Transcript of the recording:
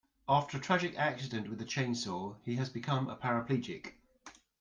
After a tragic accident with a chainsaw he has become a paraplegic.